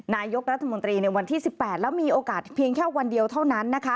นายกรัฐมนตรีในวันที่๑๘แล้วมีโอกาสเพียงแค่วันเดียวเท่านั้นนะคะ